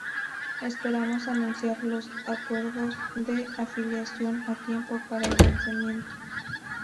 Esperamos anunciar los acuerdos de afiliación a tiempo para el lanzamiento.